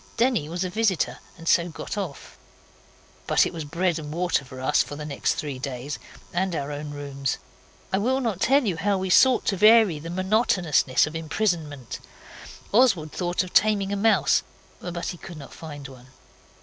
Denny was a visitor and so got off. But it was bread and water for us for the next three days, and our own rooms. I will not tell you how we sought to vary the monotonousness of imprisonment. Oswald thought of taming a mouse, but he could not find one.